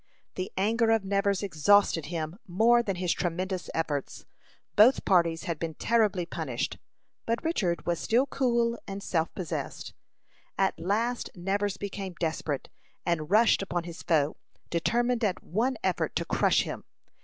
The anger of Nevers exhausted him more than his tremendous efforts. Both parties had been terribly punished, but Richard was still cool and self possessed. At last Nevers became desperate, and rushed upon his foe, determined at one effort to crush him.